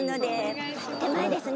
手前ですね。